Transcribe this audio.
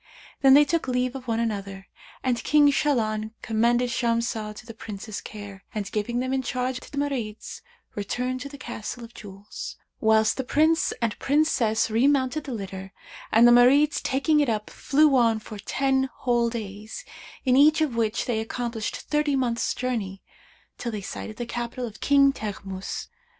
Then they took leave of one another and King Shahlan commended Shamsah to the Prince's care, and giving them in charge to the Marids, returned to the Castle of Jewels, whilst the Prince and Princess remounted the litter, and the Marids taking it up, flew on for ten whole days, in each of which they accomplished thirty months' journey, till they sighted the capital of King Teghmus.